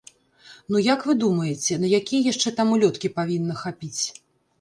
Ну, як вы думаеце, на якія яшчэ там улёткі павінна хапіць?